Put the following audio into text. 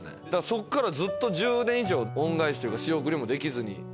そっからずっと１０年以上恩返しというか仕送りもできずに。